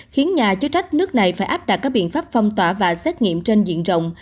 khiến nhà chức trách nước này phải áp đặt các biện pháp phong tỏa và xét nghiệm trên diện rộng